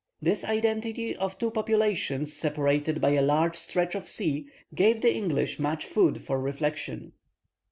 This identity of two populations separated by a large stretch of sea gave the English much food for reflection.